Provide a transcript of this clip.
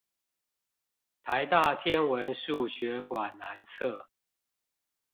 臺大天文數學館南側